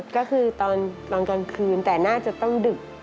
ก็คือตอนกลางคืนแต่น่าจะต้องดึก